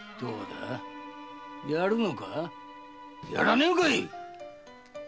やるのかやらねぇのか！